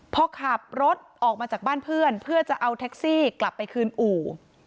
พอขับรถออกมาจากบ้านเพื่อนเพื่อจะเอาแท็กซี่กลับไปคืนอู่